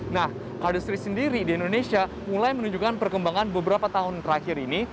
nah cardustry sendiri di indonesia mulai menunjukkan perkembangan beberapa tahun terakhir ini